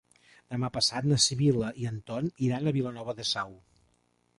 Demà passat na Sibil·la i en Ton iran a Vilanova de Sau.